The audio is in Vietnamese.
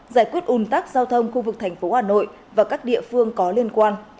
giải quyết un tắc giao thông khu vực thành phố hà nội và các địa phương có liên quan